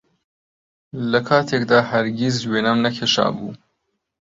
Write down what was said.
لەکاتێکدا هەرگیز وێنەم نەکێشابوو